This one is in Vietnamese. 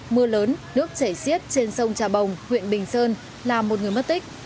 mưa lớn nước chảy xiết trên sông trà bồng huyện bình sơn làm một người mất tích